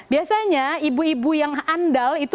biasanya ibu ibu yang andal itu